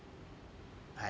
はい。